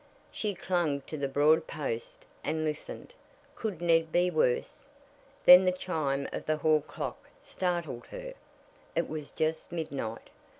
She clung to the broad post and listened. Could Ned be worse? Then the chime of the hall clock startled her. It was just midnight!